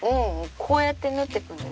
こうやって縫っていくんだよ。